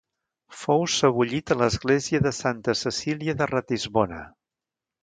Fou sebollit a l'església de Santa Cecília de Ratisbona.